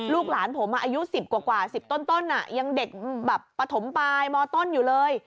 ลูกหลานผมอายุ๑๐กว่า๑๐ต้นยังเด็กแบบปฐมปลายมต้นอยู่เลย